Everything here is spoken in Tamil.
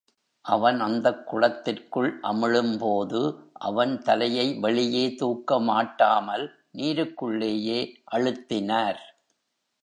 அவன் அந்தக் குளத்திற்குள் அமிழும்போது அவன் தலையை வெளியே தூக்க மாட்டாமல் நீருக்குள்ளேயே அழுத்தினார்.